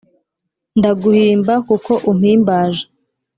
Ndaguhimba kuko umpimbaje